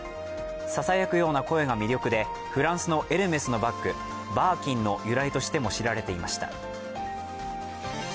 ささやくような声が魅力でフランスのエルメスのバッグ、バーキンの由来としても知られていました。